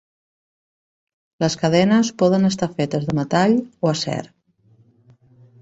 Les cadenes poden estar fetes de metall o acer.